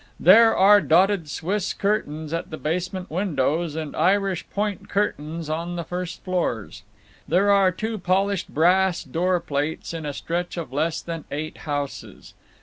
There are dotted Swiss curtains at the basement windows and Irish point curtains on the first floors. There are two polished brass doorplates in a stretch of less than eight houses.